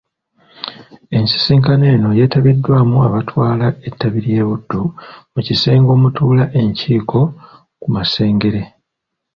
Ensisinkano eno yeetabiddwamu n'abatwala ettabi ly'e Buddu mu kisenge omutuula enkiiko ku Masengere.